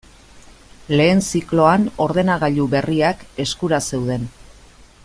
Lehen zikloan ordenagailu berriak eskura zeuden.